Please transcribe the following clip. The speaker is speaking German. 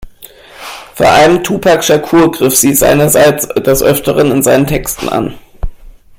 Vor allem Tupac Shakur griff sie seinerseits des Öfteren in seinen Texten an.